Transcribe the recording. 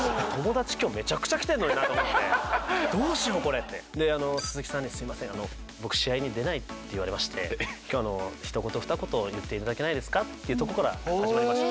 のになって思ってどうしようこれって。で鈴木さんに「すいません僕試合に出ないって言われまして今日一言二言を言っていただけないですか」っていうとこから始まりました。